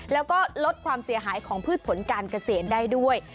แล้วก็ลดความเสียหายของพืชผลการเกษตรได้ด้วย